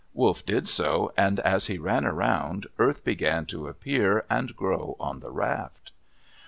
Wolf did so, and as he ran around, earth began to appear and grow on the raft.